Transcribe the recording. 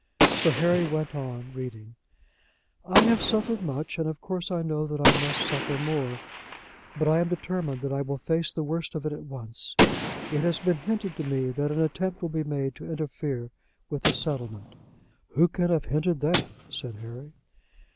So Harry went on reading. "I have suffered much, and of course I know that I must suffer more; but I am determined that I will face the worst of it at once. It has been hinted to me that an attempt will be made to interfere with the settlement " "Who can have hinted that?" said Harry.